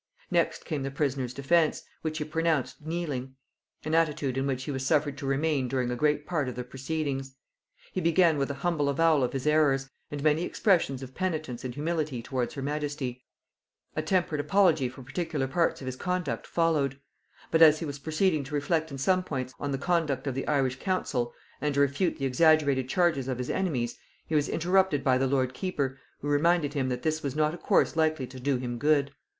Next came the prisoner's defence, which he pronounced kneeling; an attitude in which he was suffered to remain during a great part of the proceedings. He began with a humble avowal of his errors, and many expressions of penitence and humility towards her majesty; a temperate apology for particular parts of his conduct, followed; but as he was proceeding to reflect in some points on the conduct of the Irish council, and to refute the exaggerated charges of his enemies, he was interrupted by the lord keeper, who reminded him that this was not a course likely to do him good.